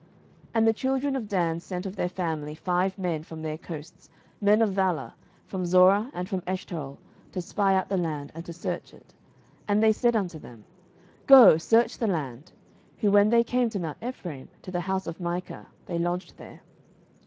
07:018:002 And the children of Dan sent of their family five men from their coasts, men of valour, from Zorah, and from Eshtaol, to spy out the land, and to search it; and they said unto them, Go, search the land: who when they came to mount Ephraim, to the house of Micah, they lodged there.